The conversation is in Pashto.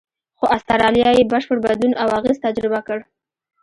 خو استرالیا یې بشپړ بدلون او اغېز تجربه کړ.